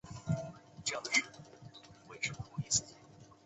稚子竹为禾本科青篱竹属下的一个种。